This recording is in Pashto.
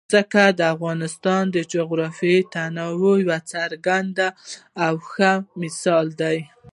ځمکه د افغانستان د جغرافیوي تنوع یو څرګند او ښه مثال دی.